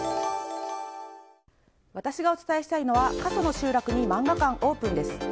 私がお伝えしたいのは過疎の集落に漫画館オープンです。